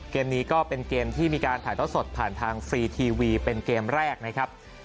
เกมนี้ก็เป็นเกมที่มีการถ่ายท่อสดผ่านทางฟรีทีวีเป็นเกมแรกนะครับ